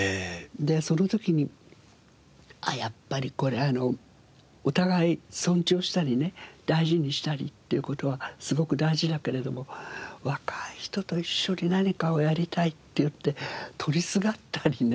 その時にやっぱりこれお互い尊重したりね大事にしたりっていう事はすごく大事だけれども若い人と一緒に何かをやりたいっていって取りすがったりね